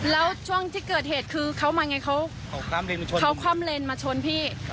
แล้วช่วงที่เกิดเหตุคือเขามาไงเขาเข้ามเลนไปชนพี่